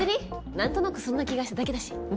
なんとなくそんな気がしただけだし。